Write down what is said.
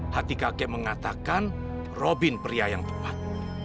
hati kakek mengatakan robin pria yang tepat